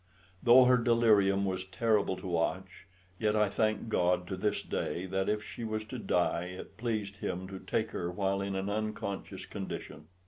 Though her delirium was terrible to watch, yet I thank God to this day, that if she was to die, it pleased Him to take her while in an unconscious condition.